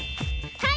はい！